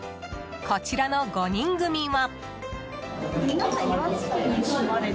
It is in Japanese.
こちらの５人組は。